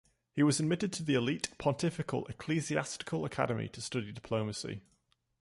He was admitted to the elite Pontifical Ecclesiastical Academy to study diplomacy.